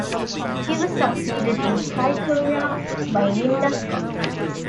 He was succeeded in Kaikoura by Lynda Scott.